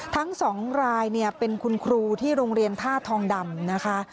ทั้งสองรายเป็นคุณครูที่โรงเรียนท่าทองดำนะคะ